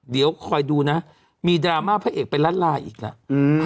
เดี๋ยวคอยดูนะมีดราม่าพระเอกเป็นล้านลาอีกแล้ว